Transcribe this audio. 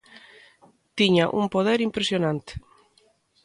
Tiña un poder impresionante.